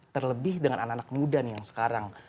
terlebih dengan anak anak muda nih yang sekarang